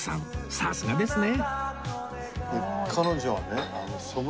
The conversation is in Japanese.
さすがですね